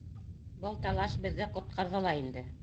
Был талаш беҙҙе ҡотҡарҙы ла инде.